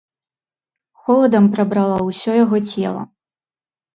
Холадам прабрала ўсё яго цела.